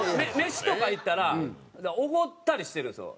飯とか行ったらおごったりしてるんですよ。